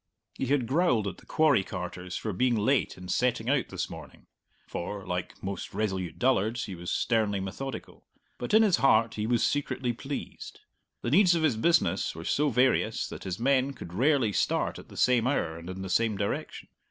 He had growled at the quarry carters for being late in setting out this morning (for, like most resolute dullards, he was sternly methodical), but in his heart he was secretly pleased. The needs of his business were so various that his men could rarely start at the same hour and in the same direction.